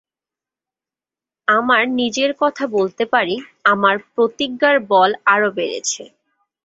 আমার নিজের কথা বলতে পারি, আমার প্রতিজ্ঞার বল আরো বেড়েছে।